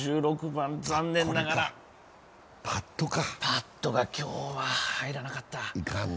１６番、残念ながら、パットが今日は入らなかった。